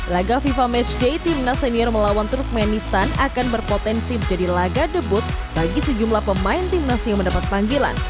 laga fifa matchday timnas senior melawan turkmenistan akan berpotensi menjadi laga debut bagi sejumlah pemain timnas yang mendapat panggilan